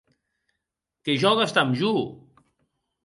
Que jògues damb jo!